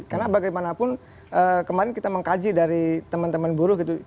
karena bagaimanapun kemarin kita mengkaji dari teman teman buruh gitu